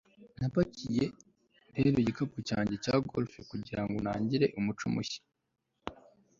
napakiye rero igikapu cyanjye cya golf kugirango ntangire umuco mushya